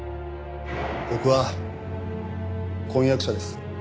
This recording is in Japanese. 僕は婚約者です。